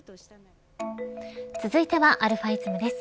続いては、αｉｓｍです。